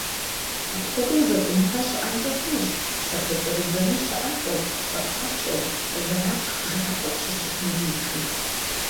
Апхуэдэу зэкӏуныгъэ щыӏэнкӏэ хъунущ псалъэ кӏэрыдзэныр щыӏэцӏэу, цӏэпапщӏэу, зэрабж бжыгъэцӏэу щыщытым дежи.